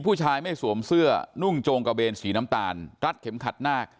ผู้ชายไม่สวมเสื้อนุ่งโจงกระเบนสีน้ำตาลรัดเข็มขัดนาค